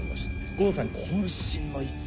剛さん、こん身の一作。